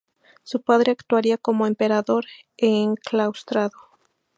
Su padre actuaría como Emperador Enclaustrado.